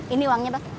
ini uangnya bak